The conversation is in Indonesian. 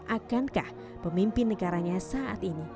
akankah pemimpin negaranya saat ini